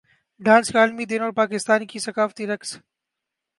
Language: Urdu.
ڈانس کا عالمی دن اور پاکستان کے ثقافتی رقص